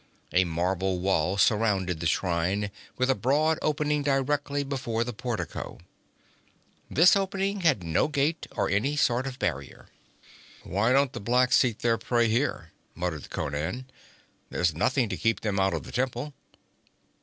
A marble wall surrounded the shrine, with a broad opening directly before the portico. This opening had no gate or any sort of barrier. 'Why don't the blacks seek their prey here?' muttered Conan. 'There's nothing to keep them out of the temple.'